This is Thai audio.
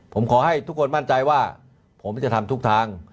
ผมขอให้ทุกคนมั่นใจว่าผมจะทำทุกทาง